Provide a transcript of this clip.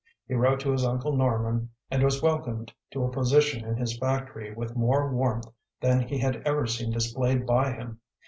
He wrote to his uncle Norman, and was welcomed to a position in his factory with more warmth than he had ever seen displayed by him.